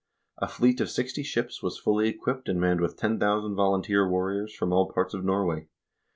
A fleet of sixty ships was fully equipped and manned with 10,000 volunteer warriors from all parts of Norway.